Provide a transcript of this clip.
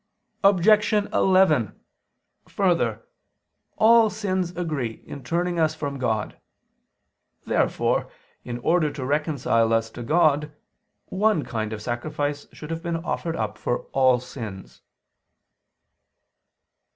Objection 11: Further, all sins agree in turning us from God. Therefore, in order to reconcile us to God, one kind of sacrifice should have been offered up for all sins.